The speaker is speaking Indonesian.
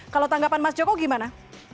kalau tanggapan mas joko gimana